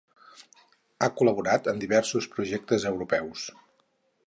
Ha col·laborat en diversos projectes europeus.